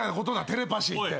テレパシーって。